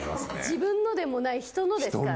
自分のでもない人のですからね。